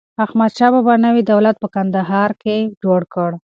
احمدشاه بابا نوی دولت په کندهار کي جوړ کړ.